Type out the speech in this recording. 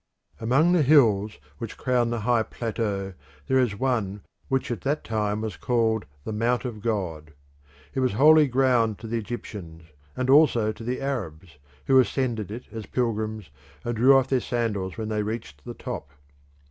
Among the hills which crown the high plateau there is one which at that time was called the Mount of God. It was holy ground to the Egyptians, and also to the Arabs, who ascended it as pilgrims and drew off their sandals when they reached the top.